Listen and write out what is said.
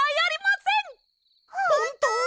ほんと？